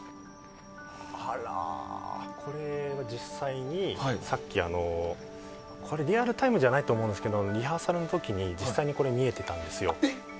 これは実際にさっきリアルタイムじゃないと思うんですけどリハーサルの時に実際、これ見えていたんですよ。